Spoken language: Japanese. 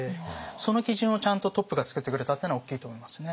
その基準をちゃんとトップが作ってくれたっていうのは大きいと思いますね。